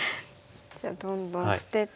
じゃあどんどん捨てて。